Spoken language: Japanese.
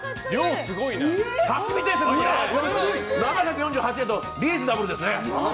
刺身定食、７４８円とリーズナブルですね。